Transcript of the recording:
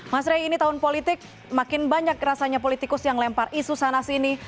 mas rey ini tahun politik makin banyak rasanya politikus yang lempar isu sana sini